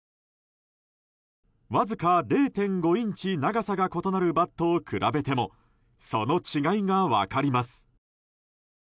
わずか０．５インチ長さが異なるバットを比べてもその違いが分かります。